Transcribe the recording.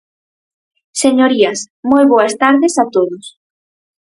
Señorías, moi boas tardes a todos.